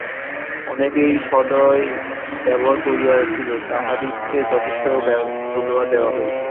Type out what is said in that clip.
অনেকেই সদয় ব্যবহার করিয়াছিল, তাহাদিগকে যথেষ্ট ধন্যবাদ দেওয়া হইয়াছে।